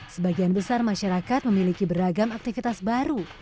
sebagian besar masyarakat memiliki beragam aktivitas baru